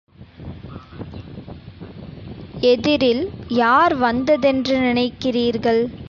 எதிரில் யார் வந்ததென்று நினைக்கிறீர்கள்?